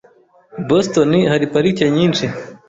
I Boston hari parike nyinshi.